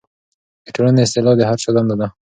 د ټولنې اصلاح د هر چا دنده ده.